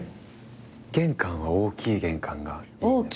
玄関は大きい玄関がいいんです。